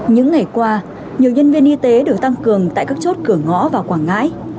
những ngày qua nhiều nhân viên y tế được tăng cường tại các chốt cửa ngõ vào quảng ngãi